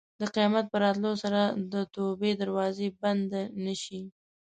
د قیامت په راتلو سره د توبې دروازه بنده نه شي.